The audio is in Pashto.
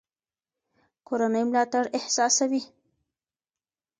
کورنۍ ملاتړ احساسوي.